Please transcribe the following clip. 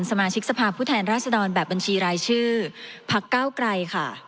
สมาชิกสภาผู้แทนราชดรแบบบัญชีรายชื่อพกไกร